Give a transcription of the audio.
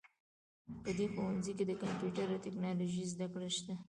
په دې ښوونځي کې د کمپیوټر او ټکنالوژۍ زده کړه شته